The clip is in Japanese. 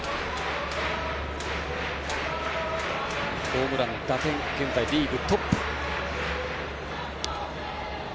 ホームラン、打点現在リーグトップ。